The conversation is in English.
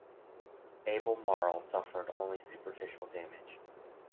"Albemarle" suffered only superficial damage.